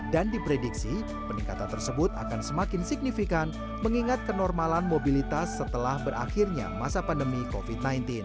dan diperhatikan peningkatan tersebut akan semakin signifikan mengingat kenormalan mobilitas setelah berakhirnya masa pandemi covid sembilan belas